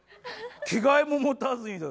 着替えも持たずにだぜ？